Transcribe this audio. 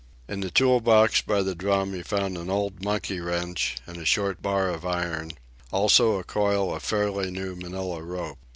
In the tool box by the drum he found an old monkey wrench and a short bar of iron, also a coil of fairly new Manila rope.